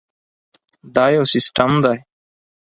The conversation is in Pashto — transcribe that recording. دا یو سیسټم دی.